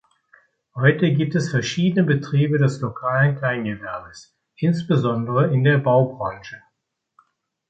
Heute gibt es verschiedene Betriebe des lokalen Kleingewerbes, insbesondere in der Baubranche.